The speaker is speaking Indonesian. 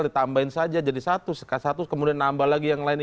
di balik kalaupun sekarang kita